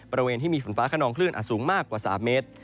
บริเวณที่มีฝนฟ้าขนองคลื่นอาจสูงมากกว่า๓เมตร